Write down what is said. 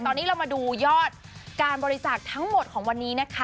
ตอนนี้เรามาดูยอดการบริจาคทั้งหมดของวันนี้นะคะ